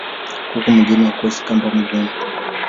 Kuku mgeni hakosi kamba mguuni